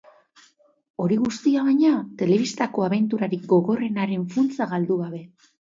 Hori guztia, baina, telebistako abenturarik gogorrenaren funtsa galdu gabe.